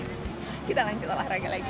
hanya hanya belajar the